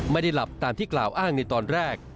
ไม่ได้หลับตามที่กล่าวอ้างในตอนแรก